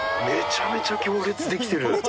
めちゃめちゃ行列できてる！